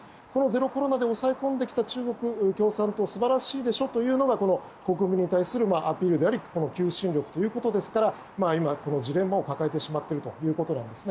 ゼロコロナで抑え込んできた中国共産党素晴らしいでしょうというのが国民に対するアピールであり求心力ということですから今、ジレンマを抱えてしまっているということです。